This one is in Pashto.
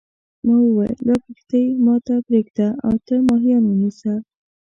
ما وویل دا کښتۍ ما ته پرېږده او ته ماهیان ونیسه.